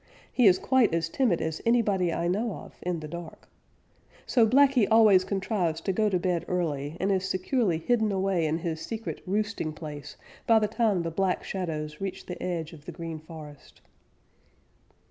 He is quite as timid as anybody I know of in the dark. So Blacky always contrives to go to bed early and is securely hidden away in his secret roosting place by the time the Black Shadows reach the edge of the Green Forest.